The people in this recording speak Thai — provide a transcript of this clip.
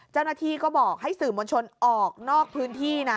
เจ้าหน้าที่ก็บอกให้สื่อมวลชนออกนอกพื้นที่นะ